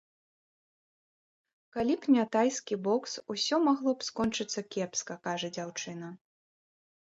Калі б не тайскі бокс, усё магло б скончыцца кепска, кажа дзяўчына.